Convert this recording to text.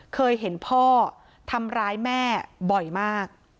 เคยเห็นพ่อทำร้ายแม่บ่อยมาก